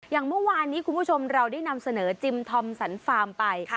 อย่างเมื่อวานนี้คุณผู้ชมเราได้นำเสนอจิมทอมสันฟาร์มไป